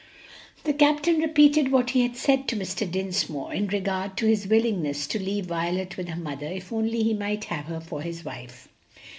The captain repeated what he had said to Mr. Dinsmore in regard to his willingness to leave Violet with her mother if only he might have her for his wife.